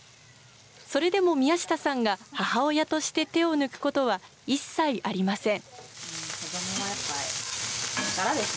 それでも宮下さんが母親として手を抜くことは一切ありません。